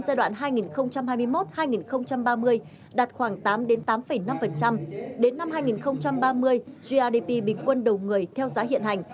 giai đoạn hai nghìn hai mươi một hai nghìn ba mươi đạt khoảng tám tám năm đến năm hai nghìn ba mươi grdp bình quân đầu người theo giá hiện hành